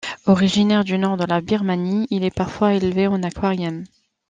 Originaire du nord de la Birmanie, il est parfois élevé en aquarium.